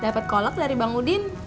dapat kolak dari bang udin